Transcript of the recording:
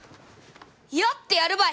やってやるばい！